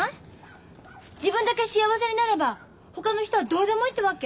自分だけ幸せになればほかの人はどうでもいいってわけ？